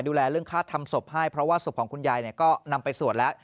ดูแลเรื่องค่าทำศพให้เพราะว่าศพของคุณยายก็นำไปสวดแล้ว